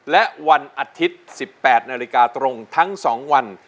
และวันอาทิตย์สิบแปดนาฬิกาตรงทั้งสองวัน